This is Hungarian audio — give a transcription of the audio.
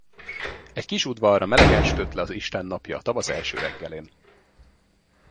Egy kis udvarra melegen sütött le az isten napja a tavasz első reggelén.